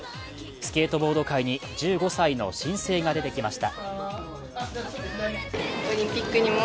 スケートボード界に１５歳の新星が出てきました。